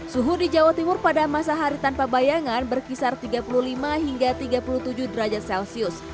suhu di jawa timur pada masa hari tanpa bayangan berkisar tiga puluh lima hingga tiga puluh tujuh derajat celcius